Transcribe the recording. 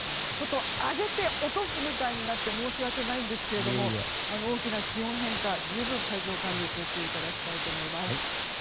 上げて落とすみたいになって申し訳ないんですが大きな気温変化、十分体調管理に注意いただきたいと思います。